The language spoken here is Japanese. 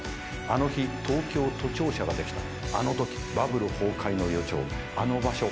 あの日東京都庁舎ができたあの時バブル崩壊の予兆あの場所